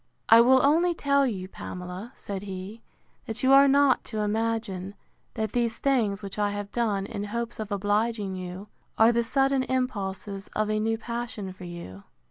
I will only tell you, Pamela, said he, that you are not to imagine, that these things, which I have done, in hopes of obliging you, are the sudden impulses of a new passion for you.